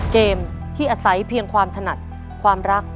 เกมที่อาศัยเพียงความถนัดความรัก